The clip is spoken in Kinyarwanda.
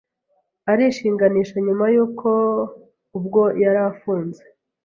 arishinganisha nyuma yuko ubwo yari afunze